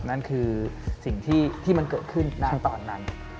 นั่นคือสิ่งที่มันเกิดขึ้นณตอนนั้น